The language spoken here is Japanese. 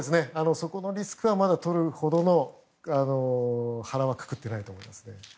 そこのリスクをとるほど腹はくくってないと思います。